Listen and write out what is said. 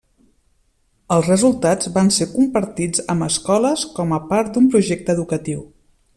Els resultats van ser compartits amb escoles com a part d'un projecte educatiu.